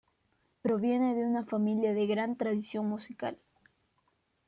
Proviene de una familia de gran tradición musical.